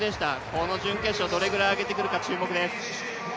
この準決勝、どれぐらい上げてくるか注目です。